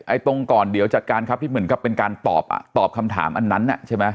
ตรงก่อนเดี๋ยวจัดการครับที่เหมือนกับเป็นการตอบอ่ะตอบคำถามอันนั้นน่ะใช่ไหม